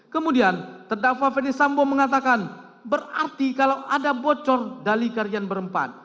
kemudian terdakwa ferdisambo mengatakan berarti kalau ada bocor dali kalian berempat